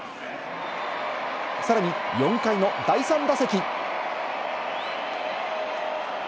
さらに４回の第３打席。